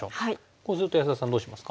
こうすると安田さんどうしますか？